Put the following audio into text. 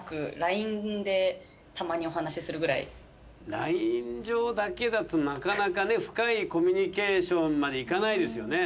ＬＩＮＥ上だけだどなかなかね深いコミュニケーションまでいかないですよね。